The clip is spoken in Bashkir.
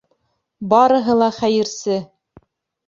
Барыһы ла хәйерсе!..